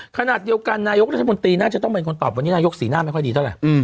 ขณะเดียวกันนายกรัฐมนตรีน่าจะต้องเป็นคนตอบวันนี้นายกสีหน้าไม่ค่อยดีเท่าไหร่